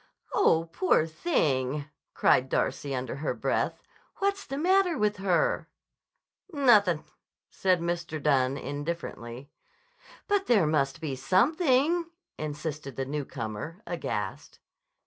"Oh, poor thing!" cried Darcy under her breath. "What's the matter with her?" "Nothin'," said Mr. Dunne indifferently. "But there must be something," insisted the newcomer aghast.